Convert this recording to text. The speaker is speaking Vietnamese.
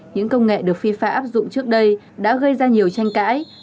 những công nghệ được fifa áp dụng trước đây đã gây ra nhiều tranh cãi